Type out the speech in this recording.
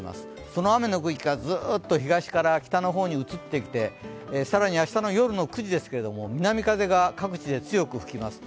その雨の区域がずーっと東から北へ移ってきて、更に明日の夜の９時ですけれども南風が各地で強く吹きます。